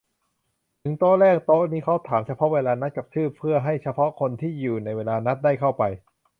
ถึงโต๊ะแรก โต๊ะนี้เขาถามเฉพาะเวลานัดกับชื่อ เพื่อให้เฉพาะคนที่อยู่ในเวลานัดได้เข้าไป